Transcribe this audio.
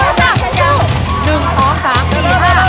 เออยังอย่างนั้นคืนงัก